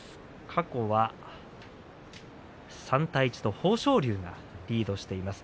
過去は３対１と豊昇龍がリードしています。